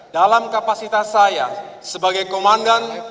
dalam kapasitas saya sebagai komandan